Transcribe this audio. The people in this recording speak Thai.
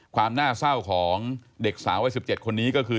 ความน่าเศร้าของเด็กสาววัย๑๗คนนี้ก็คือ